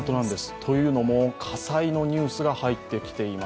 というのも、火災のニュースが入ってきています。